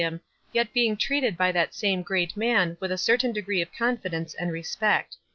him, yet being treated by that same great man with a certain degree of confi dence and respect.